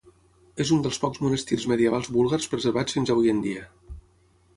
És un dels pocs monestirs medievals búlgars preservats fins hui en dia.